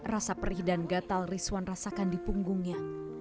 rasa perih dan gatal rizwan rasakan di punggungnya